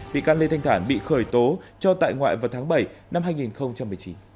bị can lê thanh thản bị khởi tố cho tại ngoại vào tháng bảy năm hai nghìn một mươi chín